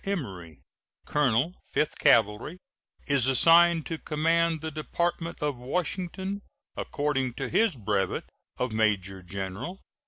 H. Emory, colonel Fifth Cavalry, is assigned to command the Department of Washington, according to his brevet of major general.